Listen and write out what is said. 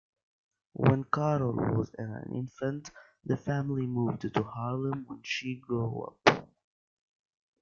When Carroll was an infant, the family moved to Harlem, where she grew up.